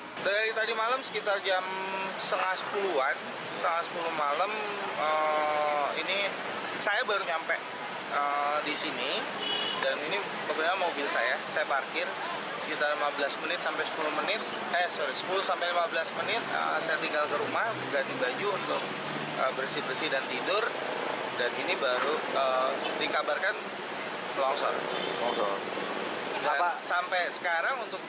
longsor sampai sekarang untuk bnpb dari kabupaten bogor tidak ada respon yang sama sekali